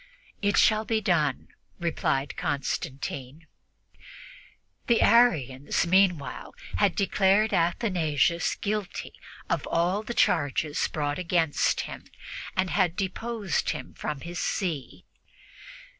"It shall be done," replied Constantine. The Arians, meanwhile, had declared Athanasius guilty of all the charges brought against him and had deposed him from his see.